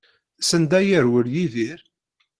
Sanda ay yerwel Yidir?